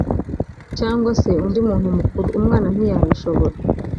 cyangwa se undi muntu mukuru umwana ntiyabishobora